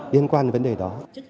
liên quan đến vấn đề đó